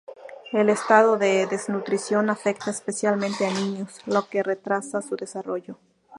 El estado de desnutrición afecta especialmente a niños, lo que retrasa su desarrollo.